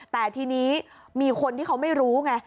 แต่ทีนี้มีคนที่เขาไม่รู้ไง